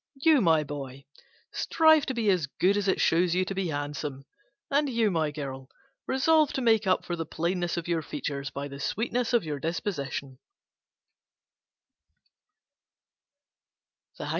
You, my boy, strive to be as good as it shows you to be handsome; and you, my girl, resolve to make up for the plainness of your features by the sweetness of your disposition."